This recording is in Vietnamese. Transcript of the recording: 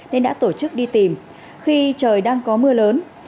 nên đã tổ chức đi tìm khi trời đang có mưa lớn